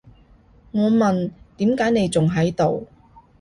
我問，點解你仲喺度？